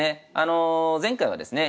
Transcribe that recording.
前回はですね